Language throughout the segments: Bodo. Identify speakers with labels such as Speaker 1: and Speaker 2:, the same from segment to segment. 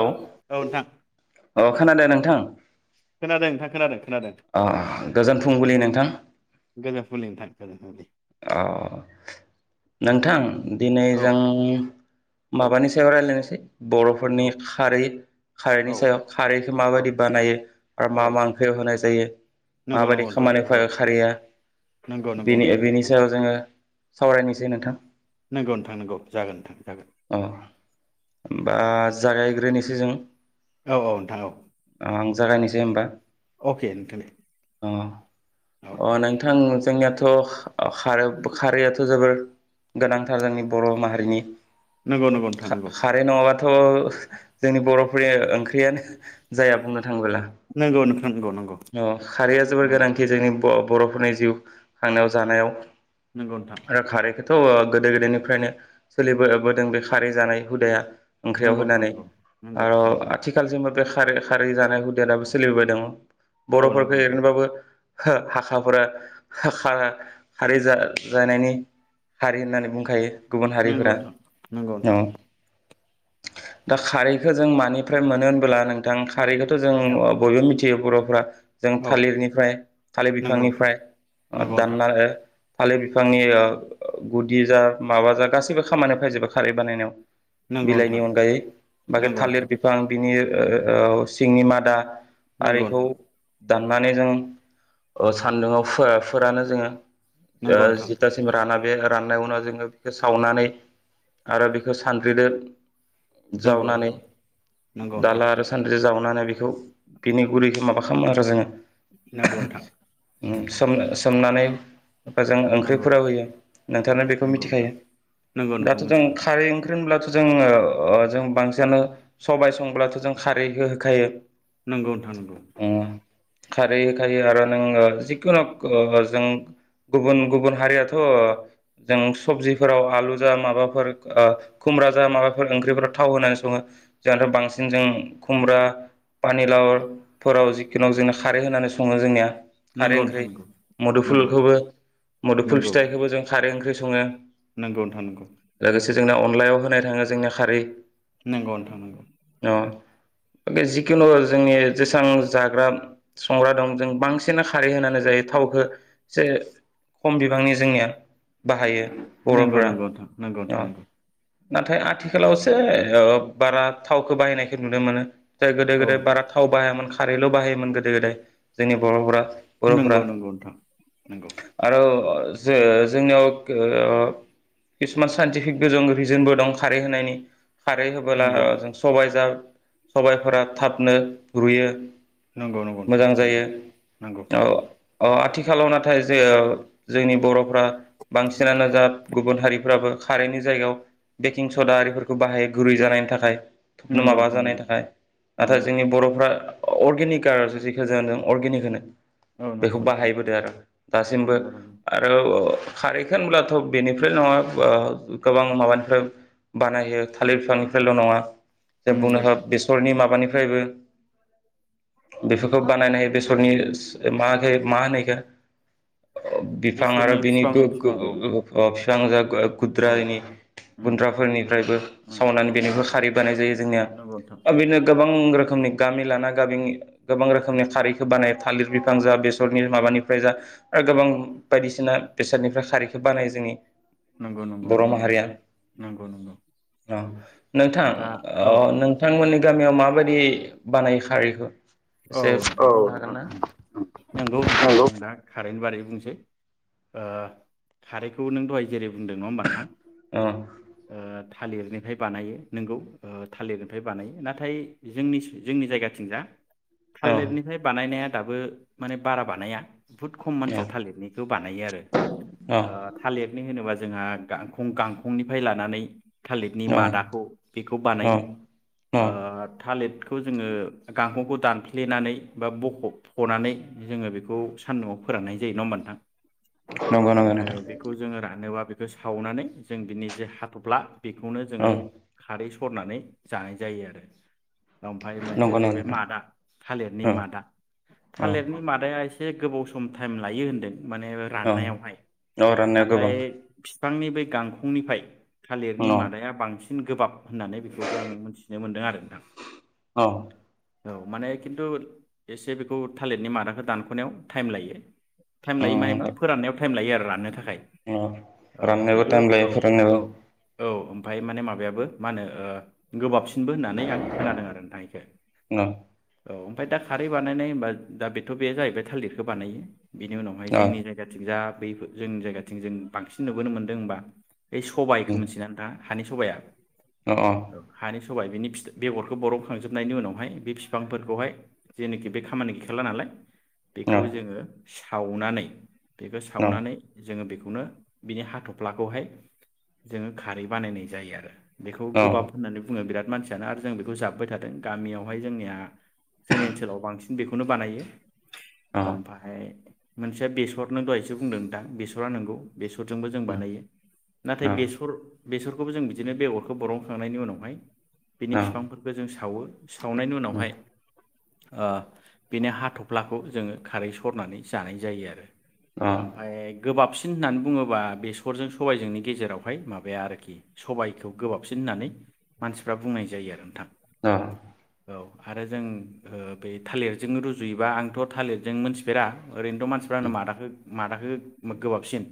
Speaker 1: औ अ खोनादों नों थां
Speaker 2: खोनादों नोंथां खोनादों। खोनादों
Speaker 1: अ गोजोन फुंबिलि नों थां
Speaker 2: गोजोन फुंबिलि नोंथां गोजोनथों।
Speaker 1: औ नोंथां। दिनै
Speaker 2: औ
Speaker 1: जों
Speaker 2: औ
Speaker 1: माबानि सायाव रायलायनोसै
Speaker 2: औ
Speaker 1: बरफोरनि खारै खारैनि
Speaker 2: औ
Speaker 1: सायाव खारैखौ
Speaker 2: औ
Speaker 1: माबायदि बानायो आरो
Speaker 2: औ
Speaker 1: मा मा ओंख्रियाव होनाय जायो
Speaker 2: नंगौ
Speaker 1: माबायदि
Speaker 2: नंगौ नोंथां
Speaker 1: खामानियाव
Speaker 2: नंगौ
Speaker 1: फैयो खारैया
Speaker 2: नंगौ नंगौ
Speaker 1: बेनि
Speaker 2: नोंथां
Speaker 1: बेनि
Speaker 2: नंगौ
Speaker 1: औ जोङो सावरायनोसै नोंथां।
Speaker 2: नंगौ नोंथां नंगौ जगोन नोंथां। जागोन
Speaker 1: अ होमबा जागायग्रोनि जिजों
Speaker 2: औ-औ नोंथां औ
Speaker 1: जागायनोसै होमबा।
Speaker 2: अके नोंथां दे औ
Speaker 1: अ-अ नोंथां जोंनियाथ खारै-खारैआथ जोबोर गोनांथार जोंनि बर माहारिनि
Speaker 2: नंगौ-नंगौ नोंथां नंगौ।
Speaker 1: थ जोंनि बरफोरनि ओंख्रियानो जाया बुंनो थांबोला
Speaker 2: नंगौ नोंथां नंगौ
Speaker 1: अ खारैया जोबोर
Speaker 2: नंगौ
Speaker 1: गोनांथि जोंनि ब बरफोरनि जिउ खांनायाव जानायाव
Speaker 2: नंगौ नोंथां
Speaker 1: थ गोदो गोदायनिफ्रायनो सोलि बो-बो दों बे खारै जानाय हुदाया। ओंख्रियाव
Speaker 2: नंगौ
Speaker 1: होनानै
Speaker 2: नोंथां नंगौ
Speaker 1: आरो
Speaker 2: नंगौ
Speaker 1: आथिखाल जेनबा खारै-खारै जानाय हुदाया दाबो सोलिबोबाय दङ।
Speaker 2: औ
Speaker 1: बर'फोरखौ
Speaker 2: नंगौ नोंथां
Speaker 1: एरनोबाबो [unintelligible] हाखाफोरा खा-खारै जानायनि हारि होननानै बुंखायो। गुबुन हारिफोरा
Speaker 2: नोंगौ नोंथां
Speaker 1: औ दा खारैखो जों मानिफ्राय मोनो होनबोला नोंथां खारैखौथ' जों
Speaker 2: औ
Speaker 1: बयबो मिथि मिथियो बर'फ्रा जों
Speaker 2: औ
Speaker 1: थालिरनिफ्राय थालिर
Speaker 2: नंगौ नोंथां
Speaker 1: बिफांनिफ्राय
Speaker 2: नंगौ नोंथां
Speaker 1: दानना ओ थालिर बिफांनि गुदि जा माबा जा गासैबो खामानिया फैजोबो। खारै बानायनायाव
Speaker 2: नंगौ
Speaker 1: बिलाइनि
Speaker 2: नोंथां
Speaker 1: अनगायै बाखि
Speaker 2: नंगौ
Speaker 1: थालिर
Speaker 2: नोंथां
Speaker 1: बिफां बिनि ओ औ सिंनि मादा
Speaker 2: नंगौ
Speaker 1: आरिखौ
Speaker 2: नोंथां
Speaker 1: दाननानै जों ओ सान्दुङाव फो-फोरानो जोङो। ओ
Speaker 2: नंगौ नोंथां
Speaker 1: जितियासिम राना बे राननाय उनाव जोङो बेखौ सावनानै आरो बेखौ सानग्रिदो
Speaker 2: नंगौ
Speaker 1: जावनानै
Speaker 2: नंगौ नंगौ नोंथां
Speaker 1: दाला आरो सान्द्रि जावना न बेखौ बिनि गुरैखौ माबा खालामो आरो जोङो।
Speaker 2: नंगौ नोंथां
Speaker 1: [inaudible] उम सोमनो सो सोमनानै खो जों
Speaker 2: नंगौ
Speaker 1: ओंख्रिफोराव होयो नोंथांनो बेखौ
Speaker 2: नंगौ नोंथां
Speaker 1: मिथिखायो
Speaker 2: नंगौ नोंखौ
Speaker 1: दाथ'
Speaker 2: मिथिगौ
Speaker 1: खारि ओंख्रि होनब्लाथ' जोङो ओ जों बांसिनानो सबबाय संब्लाथ' जों खारैखौ होखायो
Speaker 2: नंगौ नोंथां नंगौ
Speaker 1: ओ खारै होखायो आरो नोङो जिखुनु जों गुबुन गुबुन हारियाथ' जों सबजिफोराव आलु जा माबा फोर ओ खुमब्रा जा माबाफोर ओंख्रिफोराव थाव होनानै सङो जोंथ' बांसिन जों खुमब्रा पानिलावफोराव जिखुनु जोंना खारै होनानै सङो जोंनिया
Speaker 2: नोंथां
Speaker 1: खारै
Speaker 2: नंगौ नंगौ नोंथां
Speaker 1: ओंख्रि
Speaker 2: नंगौ
Speaker 1: मुदुफुलखौबो मुुदुफुल फिथायखौबो जों खारै ओंख्रै संङो
Speaker 2: नोंगौ नोंथां नोंगौ
Speaker 1: लोगोसे जोंना अनलायाव होनाय थाङो जोंनि खारै
Speaker 2: नंगौ नोंथां नंगौ
Speaker 1: अ जिखुनु जोंनि जेसबां जाग्रा संग्रा दं जों बांसिनानो खारै होनानै जायो थावखौ एसे खम बिबांनि जोंनिया बाहायो बर'फोरा। अ
Speaker 2: थानांगौ।
Speaker 1: नाथाय आथिखालावसो ओ बारा थावखौ बाहायनायखौ नुनो मोनो। जाय गोदो गोदाय बारा थाव बाहायामोन। खारैल' बाहायोमोन गोदो गोदाय जोंनि बर'फ्रा।
Speaker 2: नंगौ नंगौ नोंथां नंगौ।
Speaker 1: अ जो जोंनियाव साइन्टिफिक गोजों रिजनबो दं खारै होनायनि। खारै होबोला
Speaker 2: नंगौ
Speaker 1: जों सबाय जा सबायफोरा थाबनो रुयो।
Speaker 2: नंगौ नंगौ नोंथां नंगौ नंगौ।
Speaker 1: अ आथिखालाव नाथाय जे जोंनि बर'फ्रा बांसिनानो जा गुबुन हारि फोराबो खारैनि जायगायाव बेकिं सदा आरिफोरखौ बाहायो गुरै जानायनि थाखाय। थबनो
Speaker 2: नंगौ
Speaker 1: माबा
Speaker 2: नोंथां नंगौ
Speaker 1: जानायनि थाखाय नाथाय
Speaker 2: नंगौ
Speaker 1: जोंनि बर'फ्रा अर्गेनिक आरो जेखो जों जायो अर्गेनिक होनो।
Speaker 2: औ नंगौ
Speaker 1: बेखौ
Speaker 2: नोंथां
Speaker 1: बाहायबोदो आरो दासिमबो
Speaker 2: नंगौ नंगौ
Speaker 1: आरो खारैखौ होनब्लाथ' बेनिफ्राय नङा गोबां माबानिफ्राय बानायो। थालिर बिफांनिफ्रायल' नङा जे बुंनो
Speaker 2: नंगौ
Speaker 1: ह
Speaker 2: नोंथां
Speaker 1: बेसरनि माबानि। फ्रायबो बेफोरखौ बानायनायो बेसरनि मा होयो मा होनो बेखौ। बिफां आरो
Speaker 2: बेसरनि
Speaker 1: बिनि
Speaker 2: बिफां
Speaker 1: गों
Speaker 2: बिफां औ
Speaker 1: गों [unintelligible]
Speaker 2: औ
Speaker 1: गुद्रानि
Speaker 2: उम
Speaker 1: गुन्द्राफोरनिफ्रायबो
Speaker 2: उम
Speaker 1: सावनानै
Speaker 2: नंगौ
Speaker 1: बेनिबो
Speaker 2: नोंथां
Speaker 1: खारै बानाय जायो जोंनिया
Speaker 2: नंगौ नोंथां
Speaker 1: बिदिनो गोबां। गोबां रोखोमनि गामि लाना गामिनि गोबां रोखोम रोखोमनि खारैखौ बानाय थालिर बिफां जा बेसरनि माबानिफ्राय जा आरो गोबां बायदिसिना बेसादनिफ्राय खारैखौ बानाय जोंनि।
Speaker 2: नंगौ नंगौ
Speaker 1: बर'
Speaker 2: नोंथां
Speaker 1: माहारिया
Speaker 2: नंगौ नंगौ
Speaker 1: नोंथां
Speaker 2: दा
Speaker 1: अ
Speaker 2: औ
Speaker 1: नोंथांमोननि गामियाव माबायदि बानायो खारैखौ।
Speaker 2: औ
Speaker 1: एसे
Speaker 2: नोंथां
Speaker 1: बुंनो हागोन ना?
Speaker 2: नंगौ नोंथां आं दा खारैनि बारै बुंनोसै ओ खारैखौ नों दहाय जेरै बुंदों नङा होमबा नोंथां
Speaker 1: औ
Speaker 2: ओ थालिरनिफ्राय बानायो नोंगौ थालिरनिफ्राय बानायो नाथाय जोंनि जोंनि जायगाथिं जा।
Speaker 1: औ
Speaker 2: थालिरनिफ्राय बानायनाया दाबो माने बारा बानाया। बुहुत खम मानसिया थालिरनिखौ बानायो आरो
Speaker 1: औ
Speaker 2: ओ थालिरनि होनोबा जों जोंहा गांंखं-गांखंनिफ्राय लानानै थालिरनि
Speaker 1: औ
Speaker 2: मादाखौ बेखौ
Speaker 1: औ
Speaker 2: बानायो
Speaker 1: औ
Speaker 2: ओ थालिर जोङो गांखंखौ दान फ्लेनानै बा बख' फनानै जोङो बेखौ सान्दुंआव फोराननाय जायो नङा होमबा नोंथां।
Speaker 1: नंगौ नंगौ नोंथां
Speaker 2: ओमफ्राय बेखौ जोङो रानोबा बे खो सावनानै जों बिनि जे हाथ'फ्ला बेखौनो
Speaker 1: औ
Speaker 2: जोङो खारै सरनानै जानाय जायो आरो। ओमफ्राय मोनसेया
Speaker 1: नंगौ
Speaker 2: जाहैबाय
Speaker 1: नंगौ
Speaker 2: मादा थालिरनि
Speaker 1: नोंथां
Speaker 2: मादा
Speaker 1: औ
Speaker 2: थालिरनि मादाया एसे गोबाव सम टाइम लायो होनदों। माने
Speaker 1: औ
Speaker 2: राननायावहाय
Speaker 1: औ राननाया
Speaker 2: नाथाय
Speaker 1: गोबां
Speaker 2: बिफांनि बे गांखंनिफ्राय थालिरनि
Speaker 1: औ
Speaker 2: मादाया बांसिन सिन गोबाब होननानै बेखौबो आं मिथिनो मोनदों आरो नोंथां।
Speaker 1: औ
Speaker 2: औ माने खिन्थु एसे बेखौ थालिरनि मादाखौ दानख'नायाव टाइम लायो। टाइम लायो माने मा
Speaker 1: उम
Speaker 2: फोराननायाव थाइम लायो आरो लानो था खाय
Speaker 1: औ
Speaker 2: औ
Speaker 1: राननोबो
Speaker 2: खिन्थु
Speaker 1: टाइम लायो फोराननोबो
Speaker 2: औ-औ-औ। फाय माने माबायाबो मा होनो ओ गोबाबसि बो होननानै आं खोनादों आरो नोंथां इखो।
Speaker 1: औ
Speaker 2: औ ओमफाय दा खारै बानायनाय होनबा दा बेथ' बे जायैबाय थालिरखौ बानायो। बिनि उनावहाय
Speaker 1: औ
Speaker 2: जोंनि जायगाथिं जा बैफो जोंनि जायगाथिं जों बांसिन नुबोनो मोनदों होमबा बे सबायखौ
Speaker 1: उम
Speaker 2: मिथियोना नोंथाङा? हानि सबाया?
Speaker 1: अ
Speaker 2: औ हानि सबाय बिनि फि-बेगरखौ बर'खांजोबनायनि उनावहाय बे फि बिफांफोरखौहाय जेनोखि बे खामानि गैखाला नालाय
Speaker 1: औ
Speaker 2: बेखौ जोङो सावनानै बेखौ
Speaker 1: अ
Speaker 2: सावनानै जोङो बे खौनो बिनि हाथ'फ्लाखौहाय जोङो खारै बानायनाय जायो आरो। बेखौ गोबाब
Speaker 1: अ
Speaker 2: होन्नानै बुङो बिराद मानसियानो आरो जों बेखौ जाबोबाय थादों गामियावहाय जोंनिया जोंनि ओनसोलाव बांसिन बेखौनो बानायो।
Speaker 1: अ
Speaker 2: ओमफाय मोनसेया बेसरनो दहायसो बुंदों दां बेसरा नंगौ बेसरजोंबो जों बानायो नाथाय
Speaker 1: अ
Speaker 2: बेसर बेसरखौबो जों बिदिनो बेगरखौ बरनखांनायनि उनावहाय बिनि फिफांफोरखौ जों सावो सावनायनि उनावहाय ओ बेनि हाथ'फ्लाखौ जोङो खारै सरनानै जानाय जायो आरो।
Speaker 1: अ
Speaker 2: ओमफाय गोबाब सि सिन होननानै बुंङोब्ला बेसरजों सबाइजोंनि गेजेरावहाय माबाया आरोखि सबाइखौ गोबाबसिन होननानै मानसिफ्रा बुंनाय जायो आरो नोंथां।
Speaker 1: ओ
Speaker 2: औ। आरो जों ओ बे थालिरजों रुजुयोबा आंथ' थालिरजों मोनथिफेरा ओरैनोथ' मानसिफानो मादाखो मादाखो गोबाबसिन।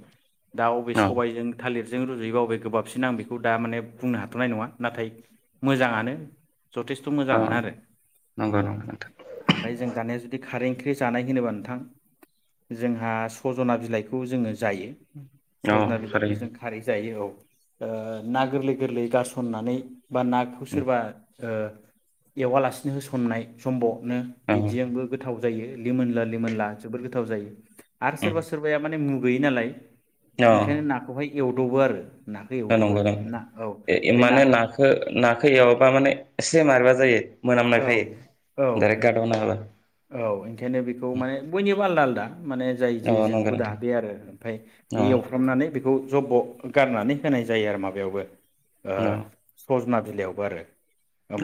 Speaker 2: दा अबे सबाइजों थालिर जों रुजुयोबा अबे गोबाबसिन आं बेखौ दा माने बुंनो हाथ'नाय नङा नाथाय मोजाङानो जथेस्थ'
Speaker 1: अ
Speaker 2: मोजाङानो आरो।
Speaker 1: नंगौ
Speaker 2: उम
Speaker 1: नंगौ नोंथां
Speaker 2: ओमफाय जों दानिया जुदि खारै ओंख्रि जानाय होनोब्ला नोंथां जोंहा सज'ना बिलाइखौ जोङो जायो
Speaker 1: औ
Speaker 2: सजना बिलाइखौ जों
Speaker 1: थारैनो
Speaker 2: खारै जायो औ। ओ ना गोरलै गोरलै गारसननानै। बा नाखौ सोरबा ओ एवालासे बिदिनो होसननाय सम्ब' नो बिदिजोंबो गोथाव जायो। लिमोनला लिमोनला जोबोद गोथाव जायो। आरो सोरबा सोरबाया माने मुग गैयि नालाय।
Speaker 1: औ औ
Speaker 2: बेखायनो नाखौहाय एवदबो आरो नाखौ एवदबो
Speaker 1: नंगौ
Speaker 2: ना औ
Speaker 1: ए
Speaker 2: बे
Speaker 1: माने नाखौ नाखौ एवबा माने से मारैबा जायो
Speaker 2: औ
Speaker 1: मोनामनायखाय
Speaker 2: औ
Speaker 1: डाइरेक्ट गारदावना होबाय।
Speaker 2: औ, ओंखायनो बेखौ माने बयनिबो आलदा आलदा। माने जाय
Speaker 1: अ
Speaker 2: जिजों
Speaker 1: नंगौ
Speaker 2: हुदा
Speaker 1: नोंथां
Speaker 2: बे आरो ओमफ्राय बे
Speaker 1: अ
Speaker 2: एवफ्रामनानै बेखौ जब्ब'। गारनानै होनाय जायो आरोमा बेयावबो ओ सजना बिलायावबो आरो।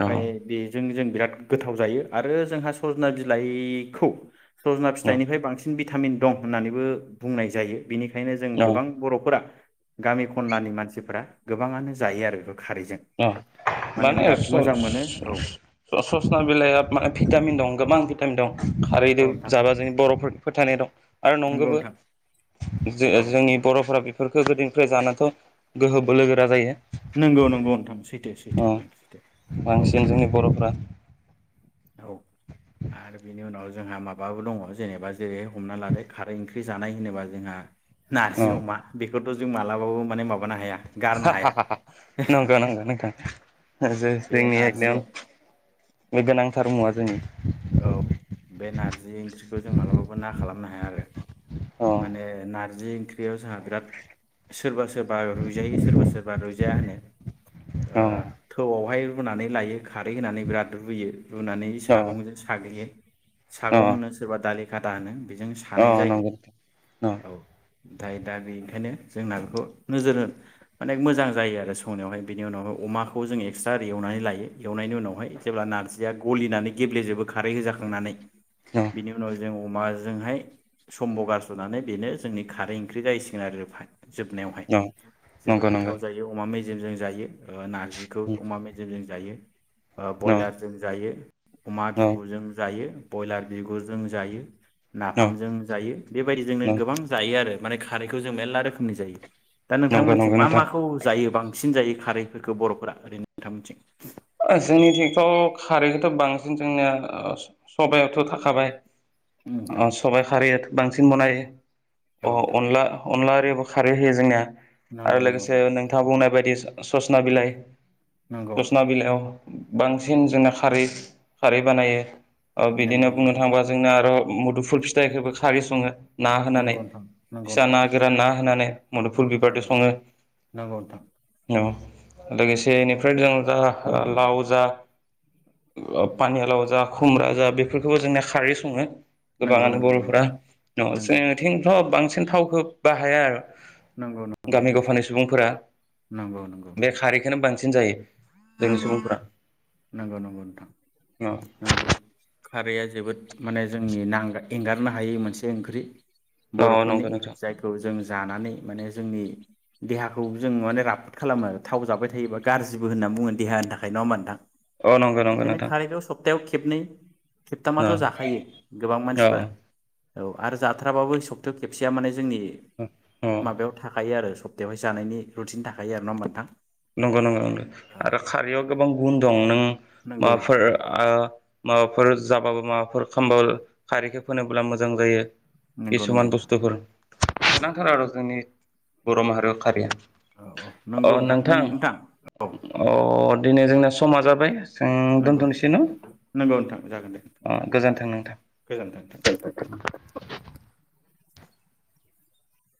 Speaker 1: अ
Speaker 2: बेजों जों बिराद गोथाव जायो आरो जोंहा स ना बिलाइखौ सजना फिथाइनिफ्राय बांसिन बि भिटामिन दं होननानैबो बुंनाय जायो। बेनिखायनो जों
Speaker 1: अ
Speaker 2: गोबां बर'फोरा गामि खनलानि मानसिफोरा गोबाङानो जायो आरो बेखौ खारैजों
Speaker 1: ओ माने
Speaker 2: बिराद मोजां मोनो औ
Speaker 1: स-ससना बिलाइआ माने भिटामिन दं गोबां दं खारैदों
Speaker 2: नोंथां
Speaker 1: जाबा जोंनि बर'फोरनि फोथायनाय दं। आरो
Speaker 2: नंगौ
Speaker 1: नंगौबो
Speaker 2: नोंथां
Speaker 1: जो
Speaker 2: औ
Speaker 1: जोंनि बर'फोरा बेफोरखौ गोदोनिफ्राय जा नाथ' गोहो बोलोगोरा जायो।
Speaker 2: नंगौ नंगौ सैथो सैथो
Speaker 1: अ
Speaker 2: नोंथां सैथौ, औ
Speaker 1: बांसिन जोंनि बर'फ्रा
Speaker 2: औ आरो बिनि उनाव जोंहा माबाबो दङ, जेनेबा जेरैह हमना लादो खारै ओंख्रि जानाय होनोबा जोंहा नारजि
Speaker 1: अ
Speaker 2: अमा बेख थ' जों मालाबाबो माने मा बानो हाया गारनो हाया।
Speaker 1: नंगौ नंगौ नोंथां।
Speaker 2: बे
Speaker 1: जोंनि
Speaker 2: नारजि
Speaker 1: एकदम
Speaker 2: औ
Speaker 1: बे गोनांथार मुवा जोंनि
Speaker 2: औ बे नारजि ओंख्रिखौ जों मालाबाबो ना खालाम नो हाया आरो
Speaker 1: अ
Speaker 2: माने ना नारजि ओंख्रियाव जोंहा बिराद सोरबा सोरबा रुइजायो सोरबा सोरबा रुइजाया होनो ओ
Speaker 1: अ
Speaker 2: थौआवहाय रुनानै लायो, खारै होनानै बिराद रुयो रुनानै
Speaker 1: अ
Speaker 2: सागंजों
Speaker 1: अ
Speaker 2: सागं होनो सोरबा दालि खाथा होनो जों
Speaker 1: अ
Speaker 2: सानाय
Speaker 1: नंगौ न
Speaker 2: जायो औ ओमफ्राय दा बेनिखायनो जोंना बेखौ नोजोर होन मान मोजां जायो आरो संनायावहाय बेनि उनावहाय अमाखौ जों एक्सट्रा एवनानै लायो एवनायनि उनावहाय जेब्ला नारजिया गलिनानै गेब्लेजोबो खारै होजाखांनानै
Speaker 1: न
Speaker 2: बिनि उनाव जों अमाजोंहाय सम्भ'गारस'नानै बेनो जोंनि खारै ओंख्रि जाहैसिगोन आरो ओमफाय जोबनायावहाय जोबोद
Speaker 1: नंगौ नंगौ
Speaker 2: गोथाव
Speaker 1: न
Speaker 2: जायो अमा मेजे जायो नार्जारि खौ अमा मेजेमजों जायो ओ
Speaker 1: न
Speaker 2: बरलार जों‌ जायो अमा
Speaker 1: न
Speaker 2: जायो ब्रयलार बिगुरजों जायो नाफामजों जायो बेबायदिजोंनो गोबां जायो आरो माने खारैखौ जों मेरला रोखोमनि जायो दा
Speaker 1: नंगौ
Speaker 2: नोंथांमोनथिं
Speaker 1: नंगौ
Speaker 2: मा
Speaker 1: नोंथां
Speaker 2: माखौ जायो बांसिन जायो खारैफोरखौ बर'फोरा ओरैनो नोंथांमोनथिं
Speaker 1: जोंनिथिंथ' खारैखौथ' बांसिन जोंनिया सबायावथ' थाखाबाय
Speaker 2: उम नोंथां
Speaker 1: अ सबबाय खारैयाथ' बांसिन बनायो
Speaker 2: औ
Speaker 1: अ
Speaker 2: नोंथां
Speaker 1: अनला अनला आरो बेखौ खारै होयो जोङो
Speaker 2: नंगौ
Speaker 1: आरो
Speaker 2: नंगौ
Speaker 1: लोगोसे नोंथाङा बुंनाय बायदि बायदि सजना बिलाइ
Speaker 2: नंगौ
Speaker 1: सुसना बि लाव बांसिन जोंना खारै खारै बानायो बिदिनो
Speaker 2: नंगौ
Speaker 1: बुंनो
Speaker 2: नंगौ
Speaker 1: थाङोबा जोंनो आरो मुदुफुल फिथाइखौबो खारै सङो ना होनानै
Speaker 2: नंगौ नोंथां
Speaker 1: फिसा ना गोरान ना होनानै मुदुफुल बिबार जों
Speaker 2: नंगौ
Speaker 1: सङो
Speaker 2: नोंथां
Speaker 1: लोगोसे बेनिफ्राय जों दा लाव जा पानियालाव जा खुमब्रा जा बेफोरखौबो जोंना खारै सङो
Speaker 2: नंगौ
Speaker 1: गोबाङानो
Speaker 2: नंगौ
Speaker 1: बर'फोरा
Speaker 2: नोंथां नंगौ
Speaker 1: न'आवथिंथ' बांसिन बांसिन थावखौ बाहाया आरो
Speaker 2: नंगौ नोंथां नंगौ
Speaker 1: गामि गफानि सुबुंफोरा
Speaker 2: नंगौ नंगौ नंगौ
Speaker 1: बे खारैखौनो बांसिन साबसिन जायो जोंनि
Speaker 2: नंगौ
Speaker 1: सुबुंफोरा
Speaker 2: नंगौ नंगौ नोंथां
Speaker 1: औ
Speaker 2: नंगौ खारै या जोबोद माने जोंनि नांगाय एंगारनो हायै मोनसे ओंख्रि
Speaker 1: औ
Speaker 2: बर'फोरनि
Speaker 1: नंगौ नोंथां
Speaker 2: जायखौ जों जानानै माने जोंनि देहाखौ जों माने राफोद खालामो थाव जाबाय थायोबा गाज्रिबो होननानै बुङो देहानि थाखाय नङा होनबा नोंथां
Speaker 1: अ नंगौ नंगौ
Speaker 2: ओंखायनो
Speaker 1: नोंथां
Speaker 2: खारैखौ सब्तायाव खेबनै
Speaker 1: औ
Speaker 2: खेबथामाथ' जाखायो गोबां
Speaker 1: औ
Speaker 2: मानसिफोरा औ आरो जाथ्राबाबो सब्तायाव खेबसेया माने जोंनि
Speaker 1: औ
Speaker 2: माबायाव थाखायो आरो सप्तायावहाय जानायनि रुटिन थाखायो आरोना नोंथां
Speaker 1: नंगौ नंगौ नंगौ
Speaker 2: औ
Speaker 1: आरो खारैयाव गोबां गुन दं नों
Speaker 2: नंगौ
Speaker 1: माबाफोर ओ माबाफोर जाबाबो माबा एखमबा खारैखौ फोनोब्ला मोजां जायो
Speaker 2: नंगौ नंगौ
Speaker 1: किसुमान
Speaker 2: नोंथां
Speaker 1: बुस्थुफोर
Speaker 2: नंगौ
Speaker 1: नांथारो आरो जोंनि बर' माहारियाव खारिया
Speaker 2: औ औ नंगौ नोंथां
Speaker 1: नोंथां अ दिनै जोंना समा जाबाय जों
Speaker 2: नंगौ
Speaker 1: दोनथ'नोसै न'
Speaker 2: नंगौ नोंथां जागोन दे
Speaker 1: अ
Speaker 2: नोंथां
Speaker 1: गोजोन्थों नोंथां
Speaker 2: गोजोनथों नोंथां